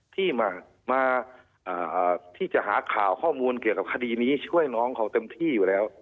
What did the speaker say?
ที่จะหาข่าวข้อมูลเกี่ยวกับคดีนี้ช่วยน้องเขาเต็มที่อยู่แล้ว